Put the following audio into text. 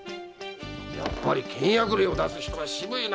やっぱり倹約令を出す人はシブいなあ。